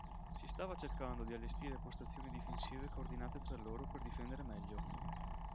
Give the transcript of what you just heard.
Si stava cercando di allestire postazioni difensive coordinate tra loro per difendere meglio.